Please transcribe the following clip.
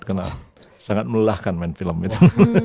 karena sangat melah kan main film itu